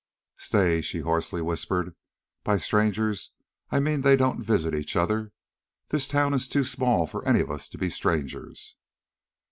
"Stay!" she hoarsely whispered. "By strangers I mean they don't visit each other. The town is too small for any of us to be strangers."